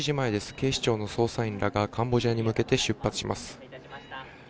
警視庁の捜査員らがカンボジアに向けて出発します。